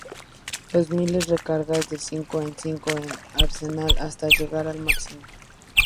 Los misiles recargan de cinco en cinco el arsenal hasta llegar al máximo.